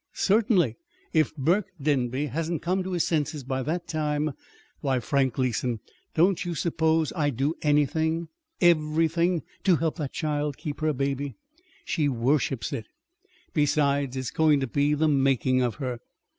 _" "Certainly if Burke Denby hasn't come to his senses by that time. Why, Frank Gleason, don't you suppose I'd do anything, everything, to help that child keep her baby? She worships it. Besides, it's going to be the making of her."